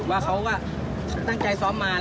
ว่าเขาก็ตั้งใจซ้อมมา